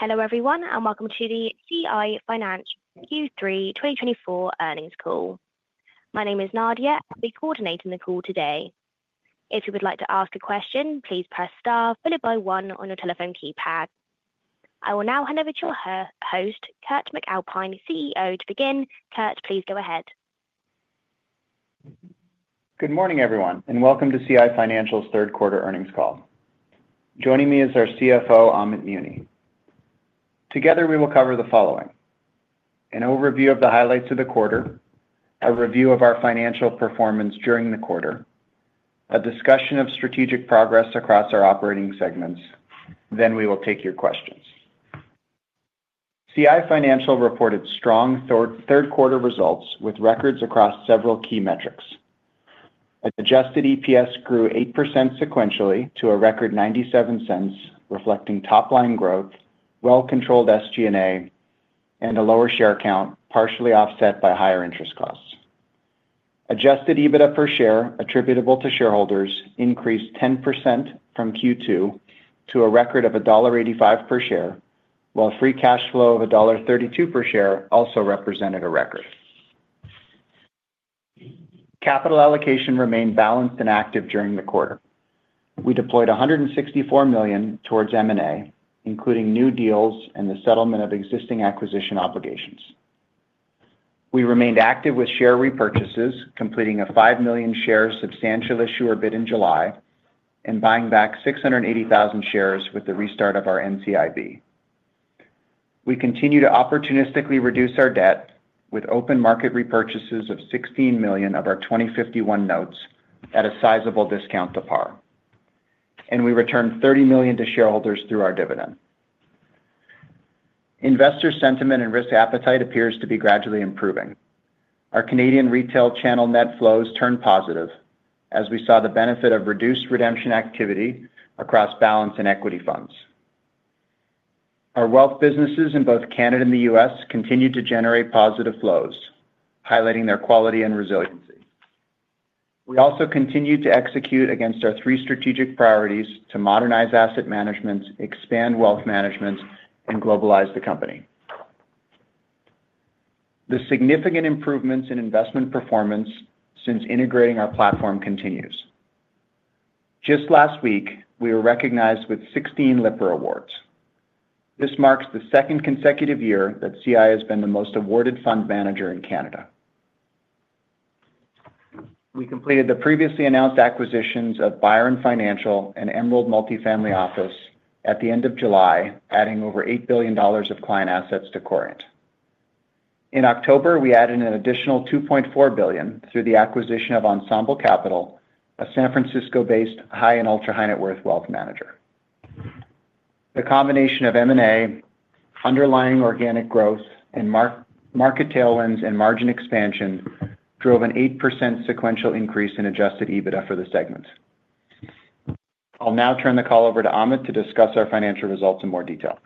Hello everyone and welcome to the CI Financial Q3 2024 earnings call. My name is Nadia, and I'll be coordinating the call today. If you would like to ask a question, please press star followed by one on your telephone keypad. I will now hand over to your host, Kurt MacAlpine, CEO, to begin. Kurt, please go ahead. Good morning everyone and welcome to CI Financial's third quarter earnings call. Joining me is our CFO, Amit Muni. Together we will cover the following: an overview of the highlights of the quarter, a review of our financial performance during the quarter, a discussion of strategic progress across our operating segments, then we will take your questions. CI Financial reported strong third quarter results with records across several key metrics. Adjusted EPS grew 8% sequentially to a record 0.97, reflecting top-line growth, well-controlled SG&A, and a lower share count partially offset by higher interest costs. Adjusted EBITDA per share attributable to shareholders increased 10% from Q2 to a record of dollar 1.85 per share, while free cash flow of dollar 1.32 per share also represented a record. Capital allocation remained balanced and active during the quarter. We deployed $164 million towards M&A, including new deals and the settlement of existing acquisition obligations. We remained active with share repurchases, completing a five million share substantial issuer bid in July and buying back 680,000 shares with the restart of our NCIB. We continue to opportunistically reduce our debt with open market repurchases of $16 million of our 2051 notes at a sizable discount to par, and we returned $30 million to shareholders through our dividend. Investor sentiment and risk appetite appears to be gradually improving. Our Canadian retail channel net flows turned positive as we saw the benefit of reduced redemption activity across balanced and equity funds. Our wealth businesses in both Canada and the U.S. continue to generate positive flows, highlighting their quality and resiliency. We also continue to execute against our three strategic priorities to modernize asset management, expand wealth management, and globalize the company. The significant improvements in investment performance since integrating our platform continue. Just last week, we were recognized with 16 Lipper Fund Awards. This marks the second consecutive year that CI has been the most awarded fund manager in Canada. We completed the previously announced acquisitions of Byron Financial and Emerald Multi-Family Office at the end of July, adding over $8 billion of client assets to Corient. In October, we added an additional $2.4 billion through the acquisition of Ensemble Capital, a San Francisco-based high and ultra-high net worth wealth manager. The combination of M&A, underlying organic growth, and market tailwinds and margin expansion drove an 8% sequential increase in adjusted EBITDA for the segment. I'll now turn the call over to Amit to discuss our financial results in more detail.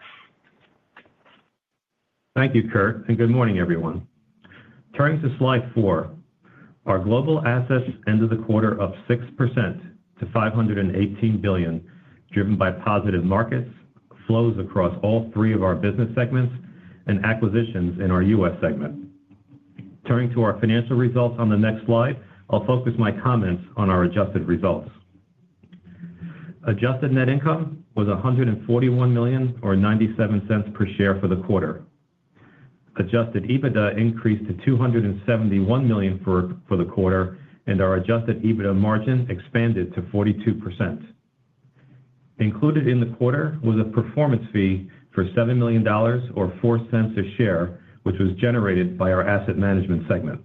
Thank you, Kurt, and good morning everyone. Turning to slide four, our global assets ended the quarter up 6% to 518 billion, driven by positive markets, flows across all three of our business segments, and acquisitions in our U.S. segment. Turning to our financial results on the next slide, I'll focus my comments on our adjusted results. Adjusted net income was 141 million, or 0.97 per share for the quarter. Adjusted EBITDA increased to 271 million for the quarter, and our adjusted EBITDA margin expanded to 42%. Included in the quarter was a performance fee for 7 million dollars, or 0.04 a share, which was generated by our asset management segment.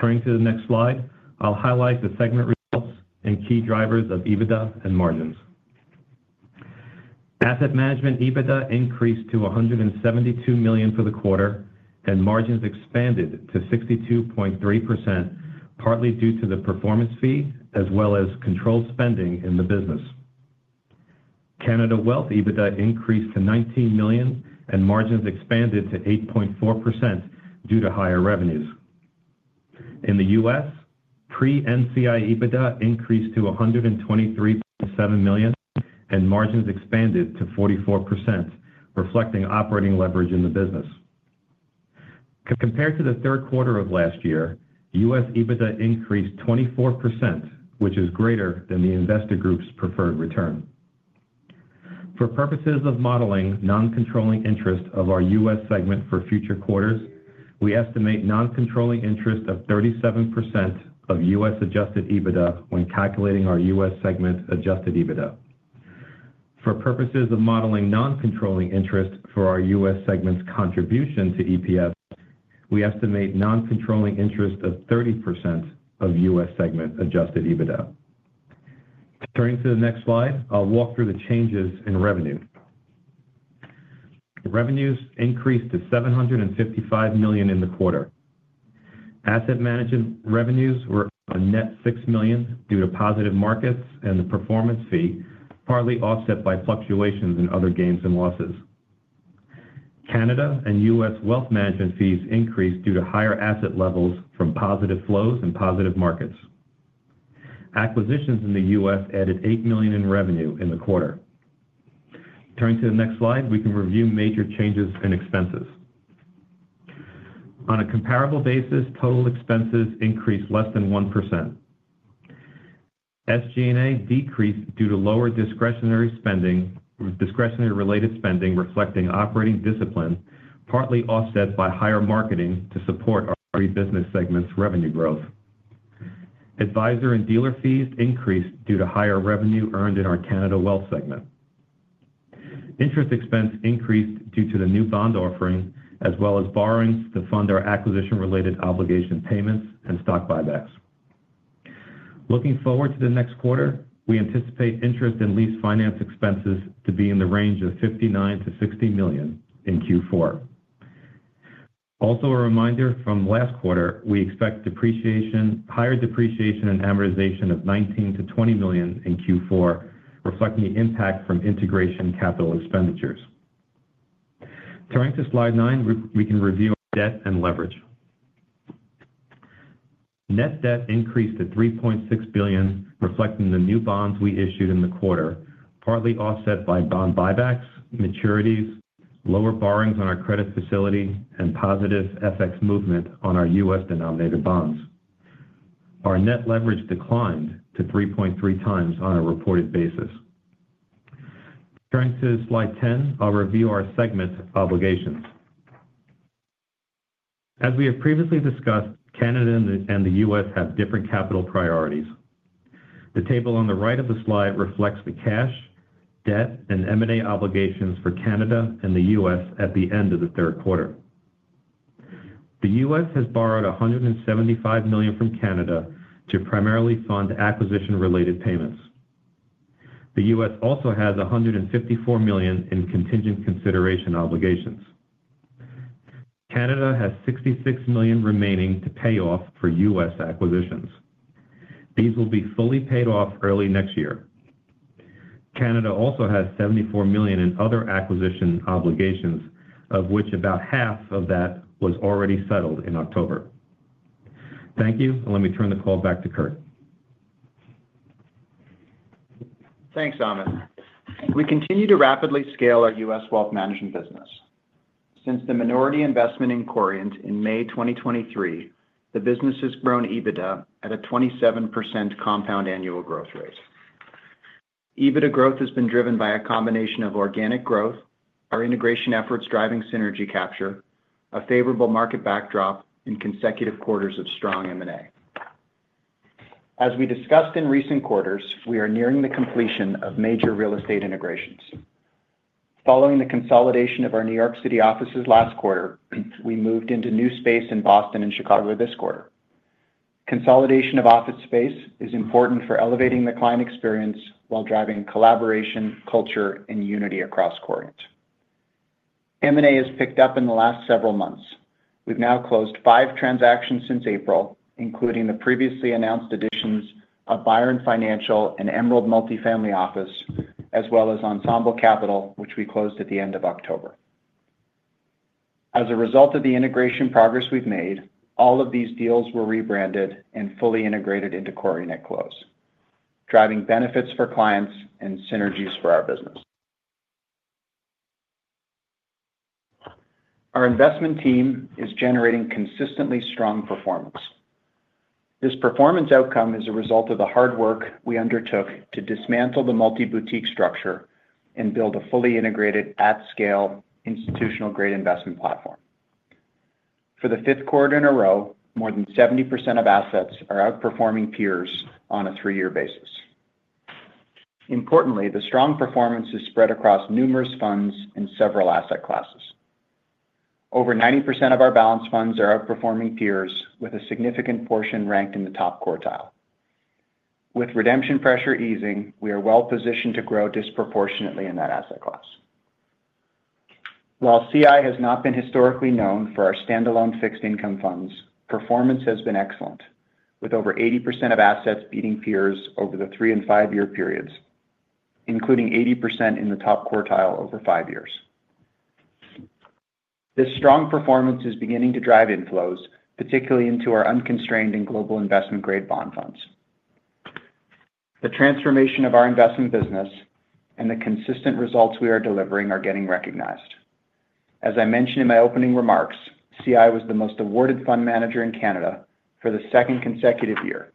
Turning to the next slide, I'll highlight the segment results and key drivers of EBITDA and margins. Asset management EBITDA increased to 172 million for the quarter, and margins expanded to 62.3%, partly due to the performance fee as well as controlled spending in the business. Canada wealth EBITDA increased to 19 million, and margins expanded to 8.4% due to higher revenues. In the U.S., pre-NCI EBITDA increased to 123.7 million, and margins expanded to 44%, reflecting operating leverage in the business. Compared to the third quarter of last year, U.S. EBITDA increased 24%, which is greater than the investor group's preferred return. For purposes of modeling non-controlling interest of our U.S. segment for future quarters, we estimate non-controlling interest of 37% of U.S. adjusted EBITDA when calculating our U.S. segment adjusted EBITDA. For purposes of modeling non-controlling interest for our U.S. segment's contribution to EPS, we estimate non-controlling interest of 30% of U.S. segment adjusted EBITDA. Turning to the next slide, I'll walk through the changes in revenue. Revenues increased to 755 million in the quarter. Asset management revenues were a net 6 million due to positive markets and the performance fee, partly offset by fluctuations in other gains and losses. Canada and U.S. wealth management fees increased due to higher asset levels from positive flows and positive markets. Acquisitions in the U.S. added 8 million in revenue in the quarter. Turning to the next slide, we can review major changes in expenses. On a comparable basis, total expenses increased less than 1%. SG&A decreased due to lower discretionary spending, discretionary-related spending reflecting operating discipline, partly offset by higher marketing to support our three business segments' revenue growth. Advisor and dealer fees increased due to higher revenue earned in our Canada wealth segment. Interest expense increased due to the new bond offering, as well as borrowings to fund our acquisition-related obligation payments and stock buybacks. Looking forward to the next quarter, we anticipate interest and lease finance expenses to be in the range of 59 million-60 million in Q4. Also, a reminder from last quarter, we expect depreciation, higher depreciation and amortization of 19 million-20 million in Q4, reflecting the impact from integration capital expenditures. Turning to slide nine, we can review debt and leverage. Net debt increased to 3.6 billion, reflecting the new bonds we issued in the quarter, partly offset by bond buybacks, maturities, lower borrowings on our credit facility, and positive FX movement on our U.S. denominated bonds. Our net leverage declined to 3.3x on a reported basis. Turning to slide ten, I'll review our segment obligations. As we have previously discussed, Canada and the U.S. have different capital priorities. The table on the right of the slide reflects the cash, debt, and M&A obligations for Canada and the U.S. at the end of the third quarter. The U.S. has borrowed 175 million from Canada to primarily fund acquisition-related payments. The U.S. also has 154 million in contingent consideration obligations. Canada has 66 million remaining to pay off for U.S. acquisitions. These will be fully paid off early next year. Canada also has 74 million in other acquisition obligations, of which about CAD 37 million was already settled in October. Thank you, and let me turn the call back to Kurt. Thanks, Amit. We continue to rapidly scale our U.S. wealth management business. Since the minority investment in Corient, in May 2023, the business has grown EBITDA at a 27% compound annual growth rate. EBITDA growth has been driven by a combination of organic growth, our integration efforts driving synergy capture, a favorable market backdrop, and consecutive quarters of strong M&A. As we discussed in recent quarters, we are nearing the completion of major real estate integrations. Following the consolidation of our New York City offices last quarter, we moved into new space in Boston and Chicago this quarter. Consolidation of office space is important for elevating the client experience while driving collaboration, culture, and unity across Corient. M&A has picked up in the last several months. We've now closed five transactions since April, including the previously announced additions of Byron Financial and Emerald Multi-Family Office, as well as Ensemble Capital, which we closed at the end of October. As a result of the integration progress we've made, all of these deals were rebranded and fully integrated into Corient. It closed, driving benefits for clients and synergies for our business. Our investment team is generating consistently strong performance. This performance outcome is a result of the hard work we undertook to dismantle the multi-boutique structure and build a fully integrated, at-scale, institutional-grade investment platform. For the fifth quarter in a row, more than 70% of assets are outperforming peers on a three-year basis. Importantly, the strong performance is spread across numerous funds and several asset classes. Over 90% of our balanced funds are outperforming peers, with a significant portion ranked in the top quartile. With redemption pressure easing, we are well positioned to grow disproportionately in that asset class. While CI has not been historically known for our standalone fixed income funds, performance has been excellent, with over 80% of assets beating peers over the three and five-year periods, including 80% in the top quartile over five years. This strong performance is beginning to drive inflows, particularly into our unconstrained and global investment-grade bond funds. The transformation of our investment business and the consistent results we are delivering are getting recognized. As I mentioned in my opening remarks, CI was the most awarded fund manager in Canada for the second consecutive year.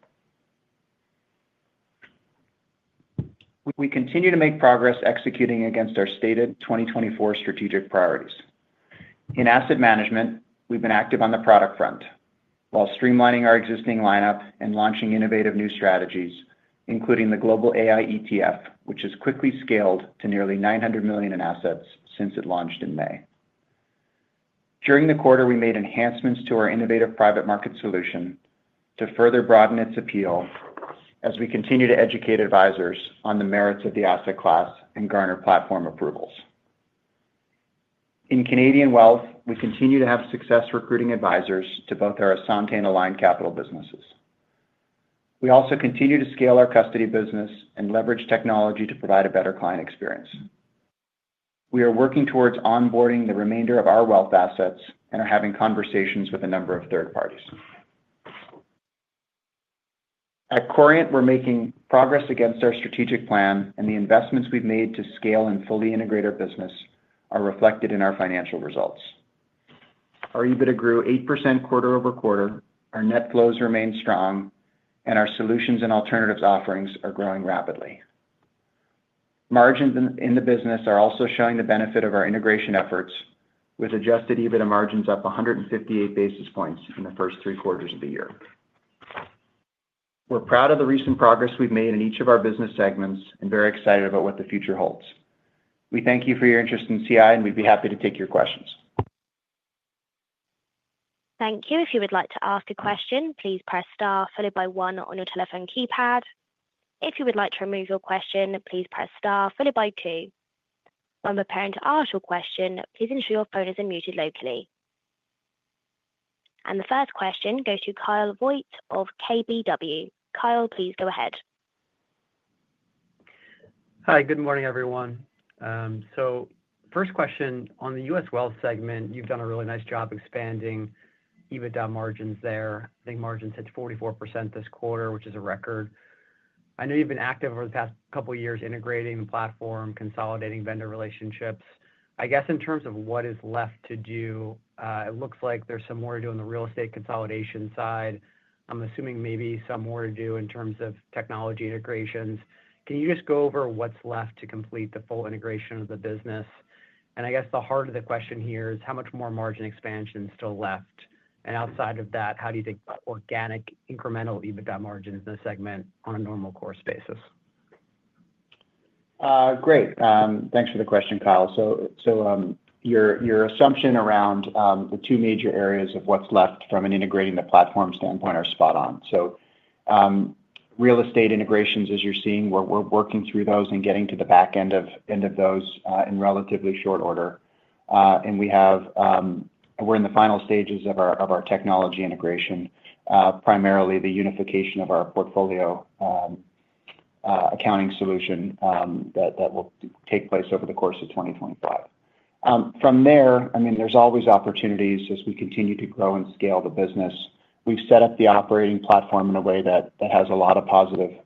We continue to make progress executing against our stated 2024 strategic priorities. In asset management, we've been active on the product front while streamlining our existing lineup and launching innovative new strategies, including the global AI ETF, which has quickly scaled to nearly 900 million in assets since it launched in May. During the quarter, we made enhancements to our innovative private market solution to further broaden its appeal as we continue to educate advisors on the merits of the asset class and garner platform approvals. In Canadian wealth, we continue to have success recruiting advisors to both our Assante and Aligned Capital businesses. We also continue to scale our custody business and leverage technology to provide a better client experience. We are working towards onboarding the remainder of our wealth assets and are having conversations with a number of third parties. At Corient, we're making progress against our strategic plan, and the investments we've made to scale and fully integrate our business are reflected in our financial results. Our EBITDA grew 8% quarter over quarter, our net flows remained strong, and our solutions and alternatives offerings are growing rapidly. Margins in the business are also showing the benefit of our integration efforts, with adjusted EBITDA margins up 158 basis points in the first three quarters of the year. We're proud of the recent progress we've made in each of our business segments and very excited about what the future holds. We thank you for your interest in CI, and we'd be happy to take your questions. Thank you. If you would like to ask a question, please press star followed by one on your telephone keypad. If you would like to remove your question, please press star followed by two. When preparing to ask your question, please ensure your phone is unmuted locally. The first question goes to Kyle Voigt of KBW. Kyle, please go ahead. Hi, good morning everyone. So first question, on the U.S. wealth segment, you've done a really nice job expanding EBITDA margins there. I think margins hit 44% this quarter, which is a record. I know you've been active over the past couple of years integrating the platform, consolidating vendor relationships. I guess in terms of what is left to do, it looks like there's some more to do on the real estate consolidation side. I'm assuming maybe some more to do in terms of technology integrations. Can you just go over what's left to complete the full integration of the business? And I guess the heart of the question here is how much more margin expansion is still left? And outside of that, how do you think organic incremental EBITDA margins in the segment on a normal course basis? Great. Thanks for the question, Kyle. So your assumption around the two major areas of what's left from an integration of the platform standpoint are spot on. So real estate integrations, as you're seeing, we're working through those and getting to the back end of those in relatively short order. And we're in the final stages of our technology integration, primarily the unification of our portfolio accounting solution that will take place over the course of 2025. From there, I mean, there's always opportunities as we continue to grow and scale the business. We've set up the operating platform in a way that has a lot of positive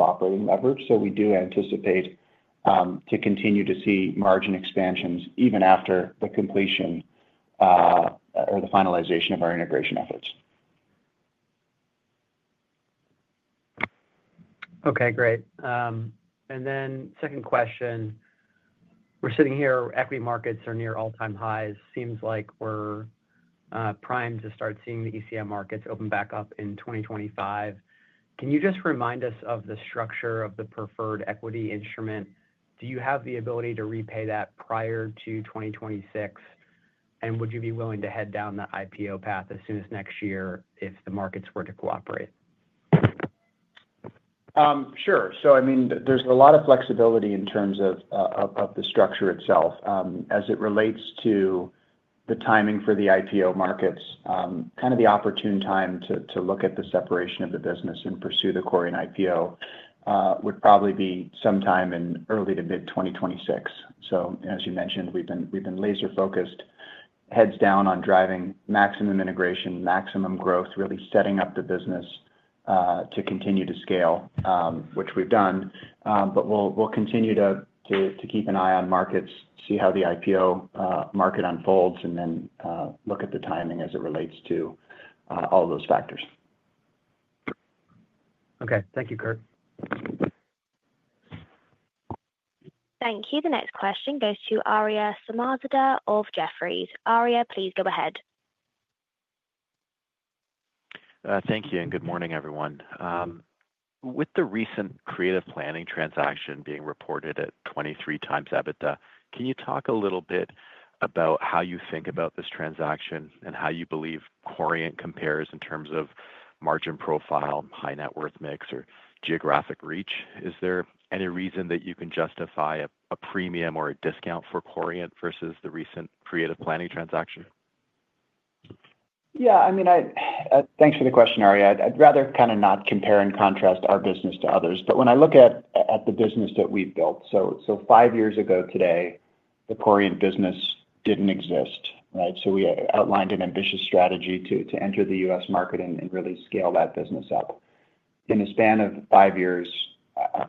operating leverage, so we do anticipate to continue to see margin expansions even after the completion or the finalization of our integration efforts. Okay, great. And then second question, we're sitting here, equity markets are near all-time highs. Seems like we're primed to start seeing the ECM markets open back up in 2025. Can you just remind us of the structure of the preferred equity instrument? Do you have the ability to repay that prior to 2026? And would you be willing to head down the IPO path as soon as next year if the markets were to cooperate? Sure. So I mean, there's a lot of flexibility in terms of the structure itself. As it relates to the timing for the IPO markets, kind of the opportune time to look at the separation of the business and pursue the Corient IPO would probably be sometime in early to mid-2026. So as you mentioned, we've been laser-focused, heads down on driving maximum integration, maximum growth, really setting up the business to continue to scale, which we've done. But we'll continue to keep an eye on markets, see how the IPO market unfolds, and then look at the timing as it relates to all those factors. Okay, thank you, Kurt. Thank you. The next question goes to Aria Samarzadeh of Jefferies. Aria, please go ahead. Thank you, and good morning, everyone. With the recent Creative Planning transaction being reported at 23x EBITDA, can you talk a little bit about how you think about this transaction and how you believe Corient compares in terms of margin profile, high net worth mix, or geographic reach? Is there any reason that you can justify a premium or a discount for Corient versus the recent Creative Planning transaction? Yeah, I mean, thanks for the question, Aria. I'd rather kind of not compare and contrast our business to others. But when I look at the business that we've built, so five years ago today, the Corient business didn't exist, right? So we outlined an ambitious strategy to enter the U.S. market and really scale that business up. In the span of five years,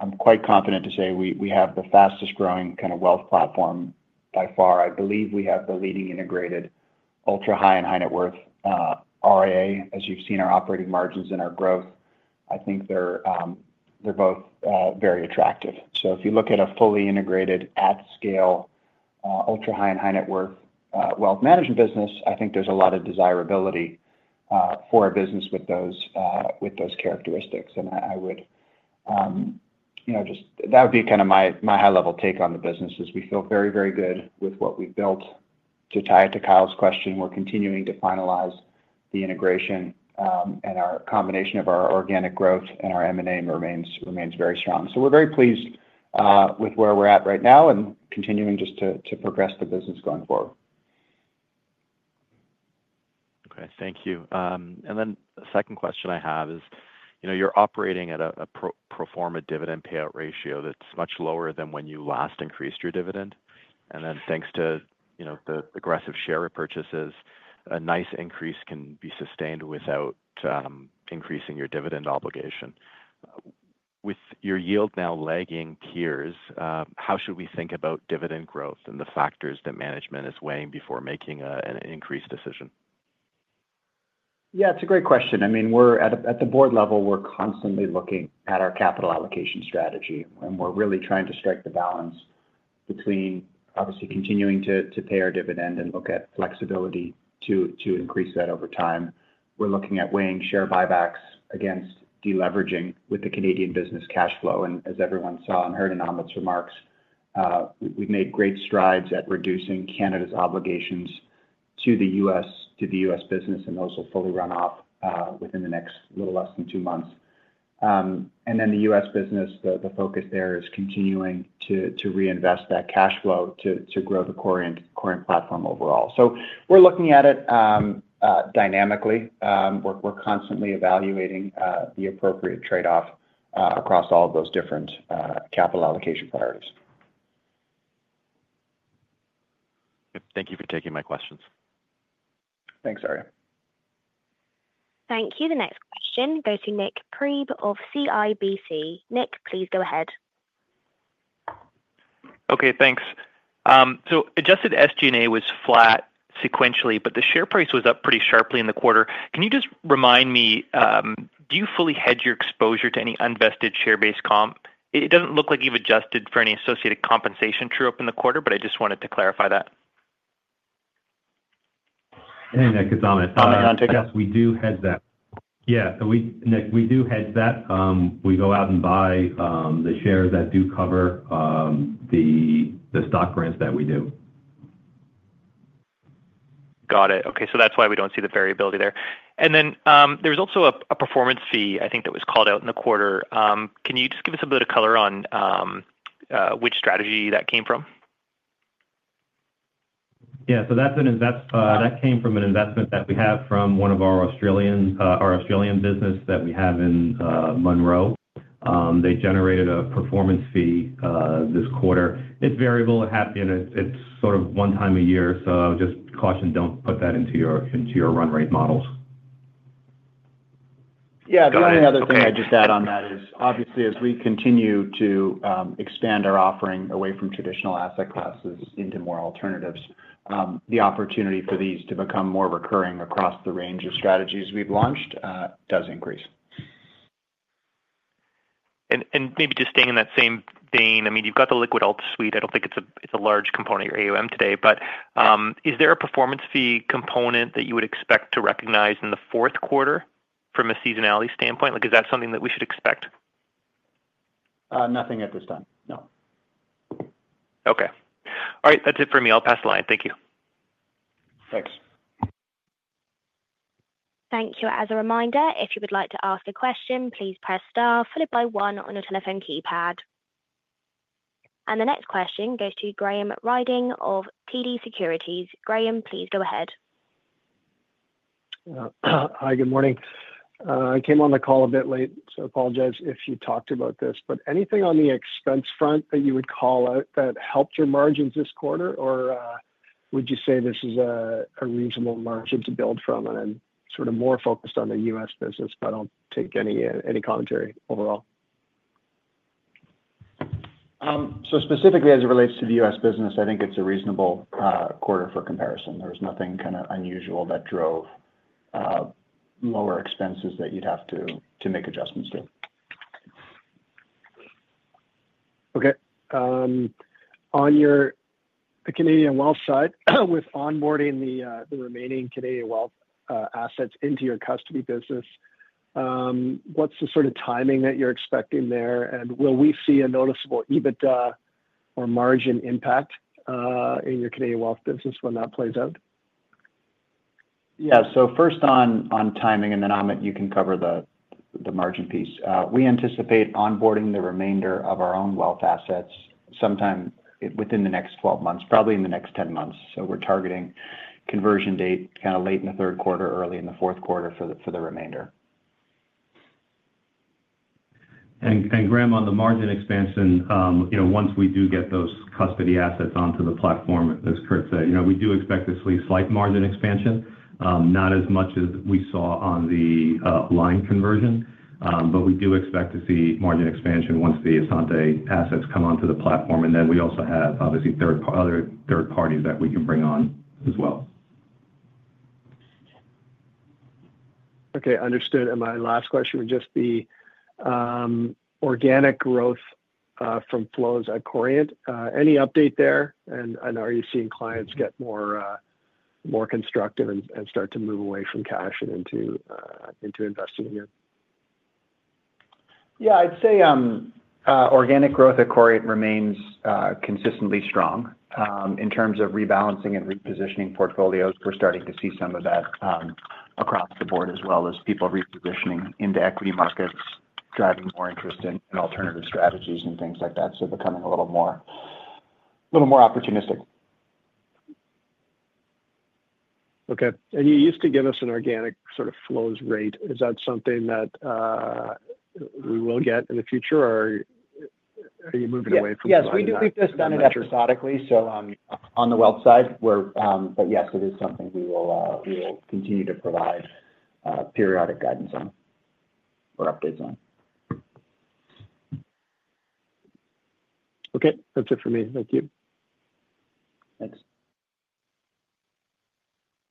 I'm quite confident to say we have the fastest growing kind of wealth platform by far. I believe we have the leading integrated ultra high and high net worth RIA. As you've seen our operating margins and our growth, I think they're both very attractive. So if you look at a fully integrated, at-scale, ultra high and high net worth wealth management business, I think there's a lot of desirability for a business with those characteristics. That would be kind of my high-level take on the business is we feel very, very good with what we've built. To tie it to Kyle's question, we're continuing to finalize the integration, and our combination of our organic growth and our M&A remains very strong. We're very pleased with where we're at right now and continuing just to progress the business going forward. Okay, thank you. And then the second question I have is you're operating at a pro forma dividend payout ratio that's much lower than when you last increased your dividend. And then thanks to the aggressive share purchases, a nice increase can be sustained without increasing your dividend obligation. With your yield now lagging peers, how should we think about dividend growth and the factors that management is weighing before making an increase decision? Yeah, it's a great question. I mean, at the board level, we're constantly looking at our capital allocation strategy, and we're really trying to strike the balance between, obviously, continuing to pay our dividend and look at flexibility to increase that over time. We're looking at weighing share buybacks against deleveraging with the Canadian business cash flow. And as everyone saw and heard in Amit's remarks, we've made great strides at reducing Canada's obligations to the U.S. business, and those will fully run off within the next little less than two months. And then the U.S. business, the focus there is continuing to reinvest that cash flow to grow the Corient platform overall. So we're looking at it dynamically. We're constantly evaluating the appropriate trade-off across all of those different capital allocation priorities. Thank you for taking my questions. Thanks, Aria. Thank you. The next question goes to Nik Priebe of CIBC. Nik, please go ahead. Okay, thanks. So adjusted SG&A was flat sequentially, but the share price was up pretty sharply in the quarter. Can you just remind me, do you fully hedge your exposure to any unvested share-based comp? It doesn't look like you've adjusted for any associated compensation true up in the quarter, but I just wanted to clarify that. Hey, Nik, it's Amit. Hi, Amit. Yes, we do hedge that. Yeah, so Nick, we do hedge that. We go out and buy the shares that do cover the stock grants that we do. Got it. Okay, so that's why we don't see the variability there. And then there's also a performance fee, I think, that was called out in the quarter. Can you just give us a bit of color on which strategy that came from? Yeah, so that came from an investment that we have from one of our Australian businesses that we have in Munro. They generated a performance fee this quarter. It's variable, and it's sort of one time a year. So just caution, don't put that into your run rate models. Yeah, the only other thing I'd just add on that is, obviously, as we continue to expand our offering away from traditional asset classes into more alternatives, the opportunity for these to become more recurring across the range of strategies we've launched does increase. Maybe just staying in that same vein, I mean, you've got the liquid alt suite. I don't think it's a large component of your AUM today. But is there a performance fee component that you would expect to recognize in the fourth quarter from a seasonality standpoint? Is that something that we should expect? Nothing at this time. No. Okay. All right, that's it for me. I'll pass the line. Thank you. Thanks. Thank you. As a reminder, if you would like to ask a question, please press star followed by one on your telephone keypad. And the next question goes to Graham Ryding of TD Securities. Graham, please go ahead. Hi, good morning. I came on the call a bit late, so I apologize if you talked about this. But anything on the expense front that you would call out that helped your margins this quarter, or would you say this is a reasonable margin to build from? And I'm sort of more focused on the U.S. business, but I'll take any commentary overall. So specifically, as it relates to the U.S. business, I think it's a reasonable quarter for comparison. There was nothing kind of unusual that drove lower expenses that you'd have to make adjustments to. Okay. On the Canadian wealth side, with onboarding the remaining Canadian wealth assets into your custody business, what's the sort of timing that you're expecting there? And will we see a noticeable EBITDA or margin impact in your Canadian wealth business when that plays out? Yeah, so first on timing, and then Amit, you can cover the margin piece. We anticipate onboarding the remainder of our own wealth assets sometime within the next 12 months, probably in the next 10 months. So we're targeting conversion date kind of late in the third quarter, early in the fourth quarter for the remainder. Graham, on the margin expansion, once we do get those custody assets onto the platform, as Kurt said, we do expect to see slight margin expansion, not as much as we saw on the line conversion. We do expect to see margin expansion once the Assante assets come onto the platform. Then we also have, obviously, third parties that we can bring on as well. Okay, understood. And my last question would just be organic growth from flows at Corient. Any update there? And are you seeing clients get more constructive and start to move away from cash and into investing again? Yeah, I'd say organic growth at Corient remains consistently strong. In terms of rebalancing and repositioning portfolios, we're starting to see some of that across the board as well as people repositioning into equity markets, driving more interest in alternative strategies and things like that. So becoming a little more opportunistic. Okay, and you used to give us an organic sort of flows rate. Is that something that we will get in the future, or are you moving away from that? Yes, we've just done it episodically. So on the wealth side, but yes, it is something we will continue to provide periodic guidance on or updates on. Okay, that's it for me. Thank you. Thanks.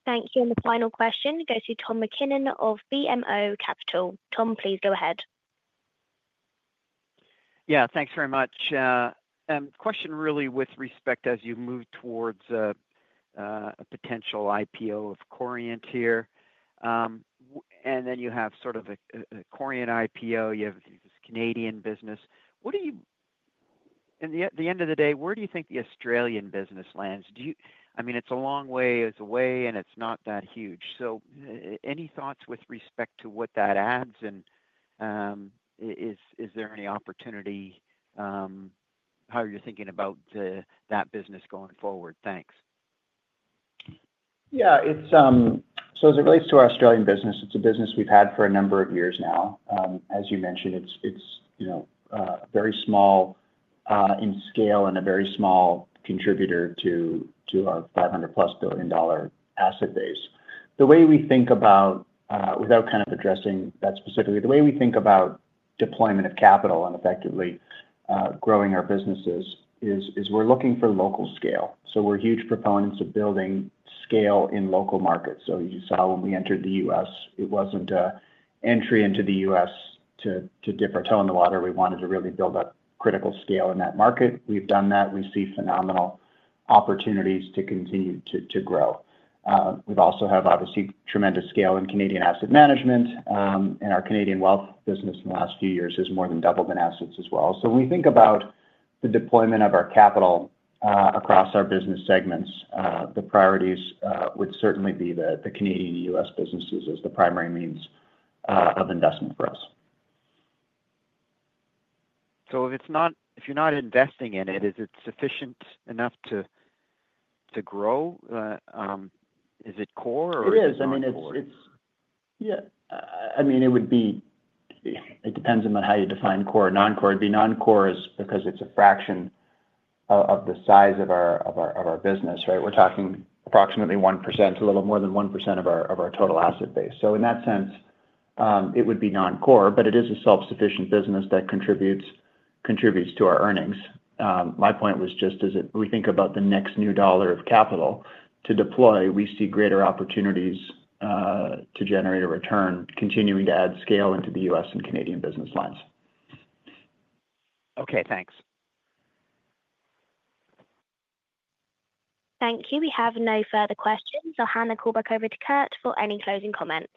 Thank you. The final question goes to Tom MacKinnon of BMO Capital. Tom, please go ahead. Yeah, thanks very much. Question really with respect as you move towards a potential IPO of Corient here and then you have sort of a Corient IPO, you have this Canadian business. At the end of the day, where do you think the Australian business lands? I mean, it's a long way away, and it's not that huge. So any thoughts with respect to what that adds? And is there any opportunity? How are you thinking about that business going forward? Thanks. Yeah, so as it relates to our Australian business, it's a business we've had for a number of years now. As you mentioned, it's very small in scale and a very small contributor to our 500+ billion-dollar asset base. The way we think about, without kind of addressing that specifically, the way we think about deployment of capital and effectively growing our businesses is we're looking for local scale. So we're huge proponents of building scale in local markets. So you saw when we entered the U.S., it wasn't an entry into the U.S. to dip our toe in the water. We wanted to really build up critical scale in that market. We've done that. We see phenomenal opportunities to continue to grow. We also have, obviously, tremendous scale in Canadian asset management, and our Canadian wealth business in the last few years has more than doubled in assets as well. So when we think about the deployment of our capital across our business segments, the priorities would certainly be the Canadian and U.S. businesses as the primary means of investment for us. So if you're not investing in it, is it sufficient enough to grow? Is it core or is it core? It is. I mean, it's yeah. I mean, it would be. It depends on how you define core or non-core. It'd be non-core because it's a fraction of the size of our business, right? We're talking approximately 1%, a little more than 1% of our total asset base. So in that sense, it would be non-core, but it is a self-sufficient business that contributes to our earnings. My point was just as we think about the next new dollar of capital to deploy, we see greater opportunities to generate a return, continuing to add scale into the U.S. and Canadian business lines. Okay, thanks. Thank you. We have no further questions. So hand the call back over to Kurt for any closing comments.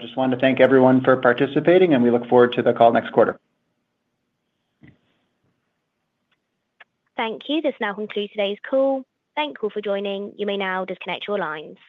Just wanted to thank everyone for participating, and we look forward to the call next quarter. Thank you. This now concludes today's call. Thank you all for joining. You may now disconnect your lines.